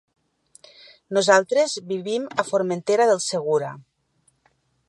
Nosaltres vivim a Formentera del Segura.